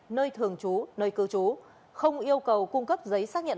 nơi thường trú nơi cư trú không yêu cầu cung cấp giấy xác nhận